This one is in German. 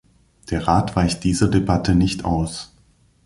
Der Rat weicht dieser Debatte nicht aus.